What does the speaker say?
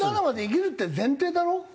８７まで生きるって前提だろ？